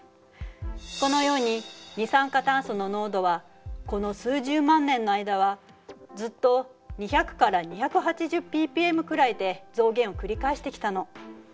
このように二酸化炭素の濃度はこの数十万年の間はずっと２００２８０ｐｐｍくらいで増減を繰り返してきたの。